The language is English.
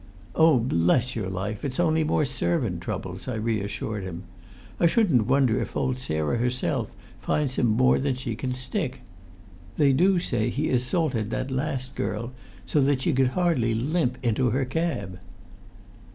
"Oh, bless your life, it's only more servant troubles," I reassured him. "I shouldn't wonder if old Sarah herself finds him more than she can stick. They do say he assaulted that last girl, so that she could hardly limp into her cab!"